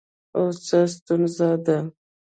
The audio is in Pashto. اوس څه ستونزه ده